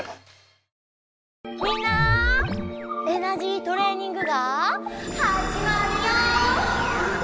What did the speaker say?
みんなエナジートレーニングがはじまるよ！